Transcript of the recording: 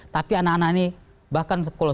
tapi anak anak ini bahkan sekolah